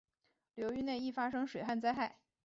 流域内易发生水旱灾害。